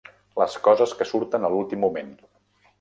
Les coses que surten a l'últim moment!